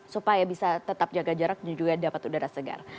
supaya bisa tetap jaga jarak dan juga dapat udara segar